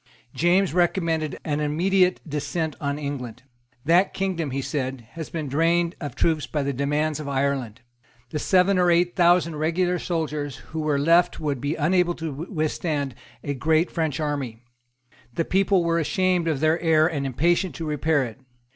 James recommended an immediate descent on England. That kingdom, he said, had been drained of troops by the demands of Ireland. The seven or eight thousand regular soldiers who were left would be unable to withstand a great French army. The people were ashamed of their error and impatient to repair it.